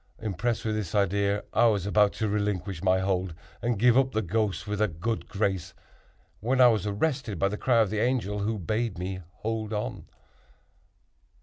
Impressed with this idea, I was about to relinquish my hold and give up the ghost with a good grace, when I was arrested by the cry of the Angel, who bade me hold on.